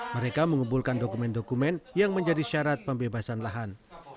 mereka mengumpulkan dokumen dokumen yang menjadi syarat pembebasan lahan